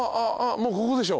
もうここでしょ。